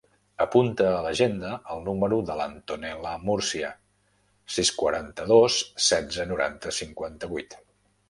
Apunta a l'agenda el número de l'Antonella Murcia: sis, quaranta-dos, setze, noranta, cinquanta-vuit.